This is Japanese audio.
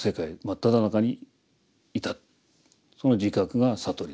その自覚が悟りですよ。